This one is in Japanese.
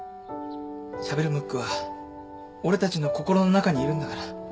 しゃべるムックは俺たちの心の中にいるんだから。